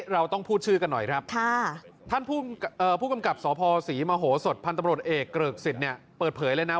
อย่าทิ้งตามดีครับ